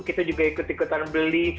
kita juga ikut ikutan beli